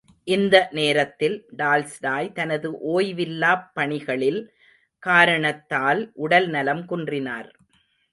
இந்த நேரத்தில், டால்ஸ்டாய் தனது ஓய்வில்லாப் பணிகளில் காரணத்தால் உடல் நலம் குன்றினார்.